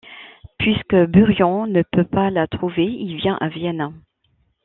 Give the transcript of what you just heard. Puisque Burian ne peut pas la trouver, il vient à Vienne.